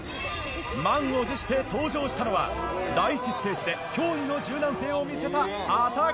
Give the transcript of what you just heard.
満を持して登場したのは第１ステージで驚異の柔軟性を見せた畠山。